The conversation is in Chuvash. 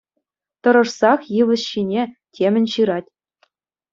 Тӑрӑшсах йывӑҫ ҫине темӗн ҫырать.